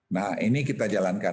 nah ini kita jalankan